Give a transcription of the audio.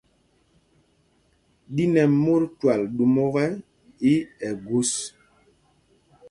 Ɗín ɛ̄ mót twal ɗūm ɔ́kɛ, í Ɛgūs.